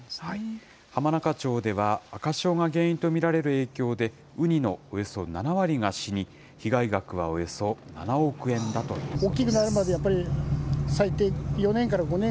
浜中町では、赤潮が原因と見られる影響でウニのおよそ７割が死に、被害額はおよそ７億円だということです。